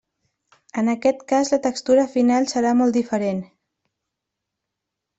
En aquest cas la textura final serà molt diferent.